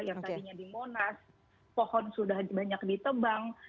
yang tadinya di monas pohon sudah banyak ditebang